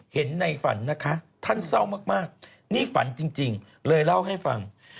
เห็นในฝันนะคะท่านเศร้ามากนี่ฝันจริงเลยเล่าให้ฟัง